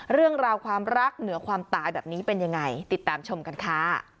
เรื่องราวความรักเหนือความตายแบบนี้เป็นยังไงติดตามชมกันค่ะ